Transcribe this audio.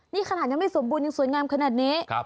นี่ขนาดยังไม่สมบูรณ์ยังสวยงามขนาดนี้